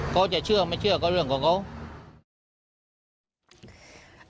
เขาจะเชื่อไม่เชื่อก็เรื่องของเขา